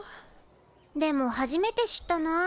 でも初めて知ったな。